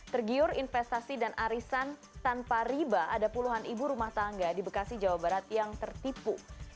tergiur investasi dan arisan tanpa riba ada puluhan ibu rumah tangga di bekasi jawa barat yang tertipu